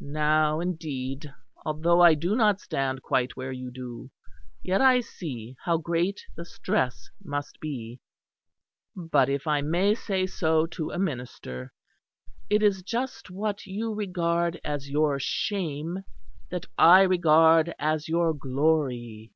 Now, indeed, although I do not stand quite where you do, yet I see how great the stress must be; but, if I may say so to a minister, it is just what you regard as your shame that I regard as your glory.